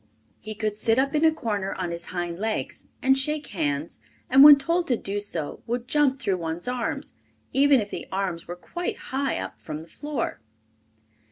He could sit up in a corner on his hind legs, and shake hands, and when told to do so would jump through one's arms, even if the arms were quite high up from the floor.